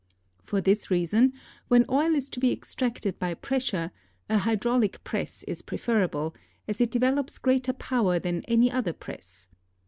For this reason, when oil is to be extracted by pressure, a hydraulic press is preferable, as it develops greater power than any other press.